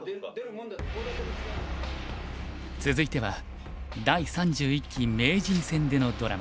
続いては第３１期名人戦でのドラマ。